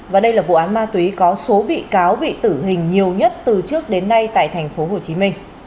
và đây là vụ án ma túy có số bị cáo bị tử hình nhiều nhất từ trước đến nay tại tp hcm